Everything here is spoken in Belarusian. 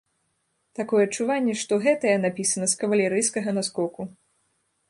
Такое адчуванне, што гэтая напісана з кавалерыйскага наскоку.